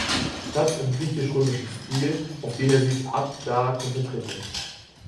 Platz im griechisch-römischen Stil, auf den er sich ab da konzentrierte.